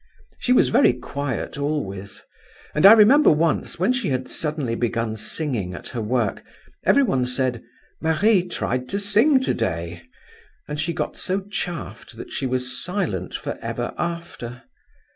"She was very quiet always—and I remember once, when she had suddenly begun singing at her work, everyone said, 'Marie tried to sing today!' and she got so chaffed that she was silent for ever after.